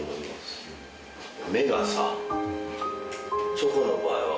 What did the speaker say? チョコの場合は。